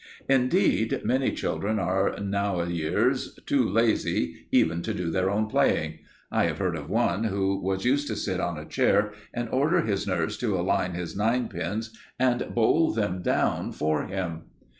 Indeed, many children are nowayears too lazy even to do their own playing. I have heard of one who was used to sit on a chair and order his nurse to align his ninepins and bowl them down for him!